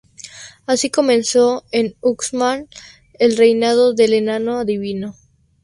Así comenzó en Uxmal el reinado del enano adivino.